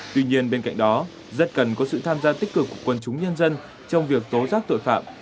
tuy nhiên bên cạnh đó rất cần có sự tham gia tích cực của quân chúng nhân dân trong việc tố giác tội phạm